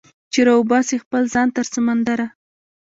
چې راوباسي خپل ځان تر سمندره